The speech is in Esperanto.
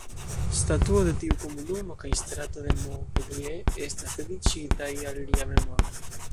Statuo de tiu komunumo kaj strato de Montpellier estas dediĉitaj al lia memoro.